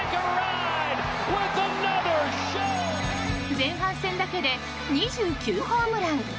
前半戦だけで２９ホームラン。